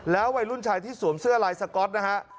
แล้ววัยรุ่นชายที่สวมเสื้อไลน์สก๊อตนะครับ